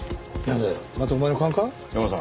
なんだよまたお前の勘か？